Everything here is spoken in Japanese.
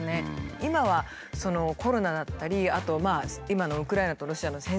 今はコロナだったりあと今のウクライナとロシアの戦争。